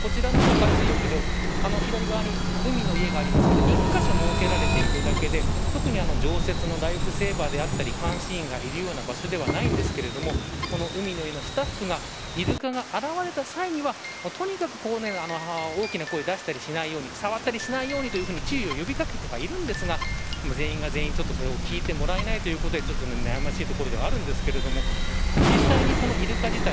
こちらの海水浴場左側に海の家がありますが１カ所設けられているだけで常設のライフセーバーであったり監視員がいるような場所ではないですが海の家のスタッフがイルカが現れた際にはとにかく大きな声を出したりしないように触ったりしないように注意を呼びかけていますが全員が全員、聞いてもらえないというところで悩ましいところではありますが実際にイルカ自体